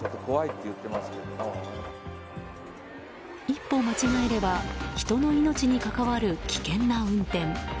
一歩間違えれば人の命に関わる危険な運転。